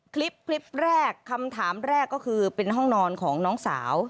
คลิปแรกคำถามแรกก็คือเป็นห้องนอนของน้องสาว